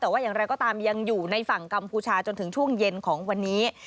แต่ว่าอย่างไรก็ตามยังอยู่ในฝั่งกัมพูชาจนถึงช่วงเย็นของวันนี้